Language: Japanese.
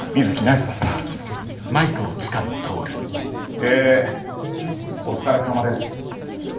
えお疲れさまです。